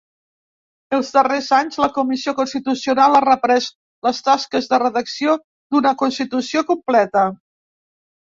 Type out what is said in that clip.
Els darrers anys, la comissió constitucional ha reprès les tasques de redacció d'una constitució completa.